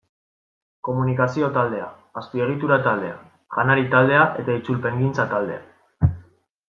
Komunikazio taldea, Azpiegitura taldea, Janari taldea eta Itzulpengintza taldea.